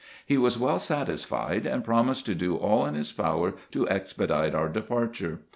He was well satisfied, and promised to do all in Ins power to expedite our departure.